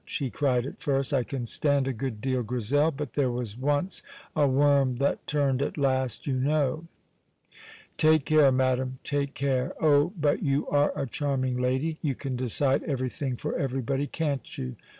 he cried at first, "I can stand a good deal, Grizel, but there was once a worm that turned at last, you know. Take care, madam, take care. Oh, but you are a charming lady; you can decide everything for everybody, can't you!